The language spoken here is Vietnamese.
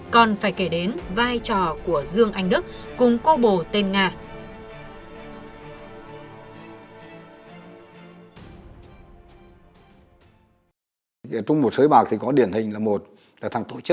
còn phải kể đến vai trò của dương anh đức cùng cô bồ tên nga